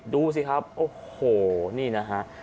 ดูสิครับโอ้โหนี่นะฮะ